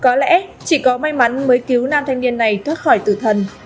có lẽ chỉ có may mắn mới cứu nam thanh niên này thoát khỏi tử thần